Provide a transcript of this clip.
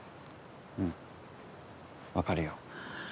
うん分かるよ。